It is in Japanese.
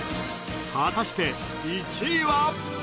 果たして１位は？